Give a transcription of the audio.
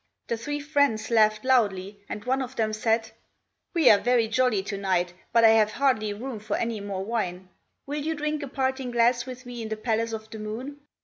The three friends laughed loudly, and one of them said, "We are very jolly to night, but I have hardly room for any more wine. Will you drink a parting glass with me in the palace of the moon?"